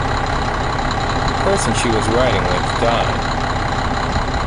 The person she was riding with died.